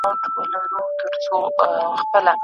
زما پر ښکلي اشنا وایه په ګېډیو سلامونه